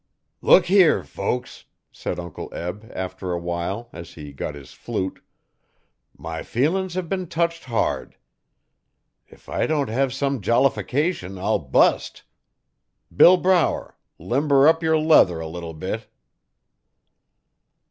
'Look here, folks!' said Uncle Eb, after awhile, as he got his flute, 'my feelin's hev been teched hard. If I don't hev some jollification I'll bust. Bill Brower, limber up yer leather a leetle bit.'